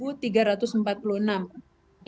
untuk perempuan ada dua tiga ratus empat puluh delapan anak